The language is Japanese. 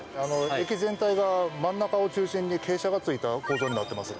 駅全体が真ん中を中心に傾斜がついた構造になってます。